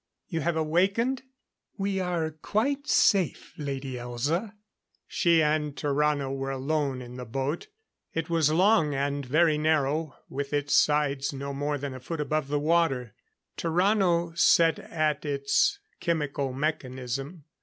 You have awakened? We are quite safe, Lady Elza." She and Tarrano were alone in the boat. It was long and very narrow, with its sides no more than a foot above the water. Tarrano sat at its chemical mechanism.